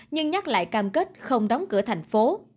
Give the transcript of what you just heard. nhưng nhắc lại cam kết không đóng cửa thành phố